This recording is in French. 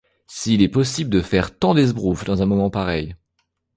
S'il est possible de faire tant d'esbrouffe, dans un moment pareil !